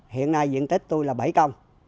hiện nay diện tích tôi là bảy công